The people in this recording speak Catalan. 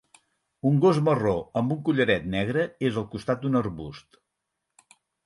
Un gos marró amb un collaret negre és al costat d'un arbust.